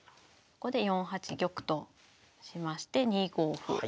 ここで４八玉としまして２五歩。